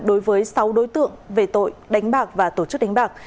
đối với sáu đối tượng về tội đánh bạc và tổ chức đánh bạc